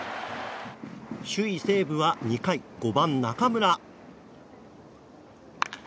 首位、西武は２回５番、中村。